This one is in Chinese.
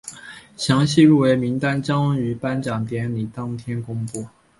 详细入围名单将于颁奖典礼当天公布。